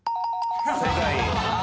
正解。